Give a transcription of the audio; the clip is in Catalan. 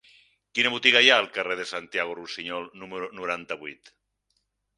Quina botiga hi ha al carrer de Santiago Rusiñol número noranta-vuit?